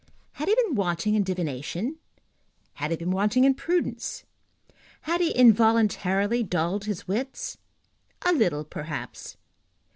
Had he been wanting in divination? Had he been wanting in prudence? Had he involuntarily dulled his wits? A little, perhaps.